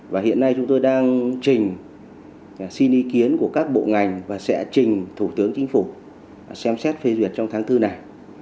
và hiện nay chúng tôi đang trình xin ý kiến của các bộ ngành và sẽ trình thủ tướng chính phủ xem xét phê duyệt trong tháng bốn này